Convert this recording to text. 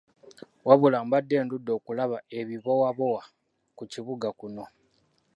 Wabula mbadde ndudde okulaba ebibowabowa ku kibuga kuno.